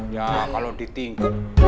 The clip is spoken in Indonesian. ya kalau ditinggalkan